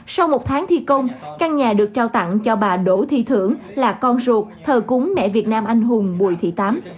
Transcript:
sau một tháng thi công căn nhà được trao tặng cho bà đỗ thị thưởng là con ruột thờ cúng mẹ việt nam anh hùng bùi thị tám